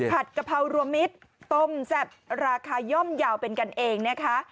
กะเพรารวมมิตรต้มแซ่บราคาย่อมยาวเป็นกันเองนะคะ